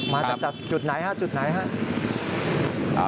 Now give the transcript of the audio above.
มาจากจุดไหนฮะจุดไหนครับ